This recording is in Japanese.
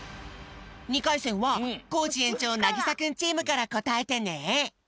２かいせんはコージ園長なぎさくんチームからこたえてね。